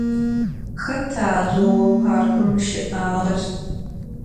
Xeta zooparkım şı'ağer?